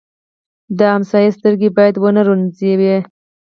د ګاونډي سترګې باید ونه رنځوې